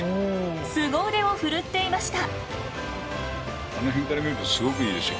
スゴ腕を振るっていました。